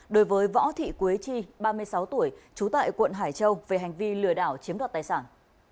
đối với võ thị quế chi ba mươi sáu tuổi trú tại quận hải châu về hành vi lừa đảo chiếm đoạt tài sản